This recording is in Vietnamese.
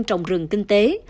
trồng rừng kinh tế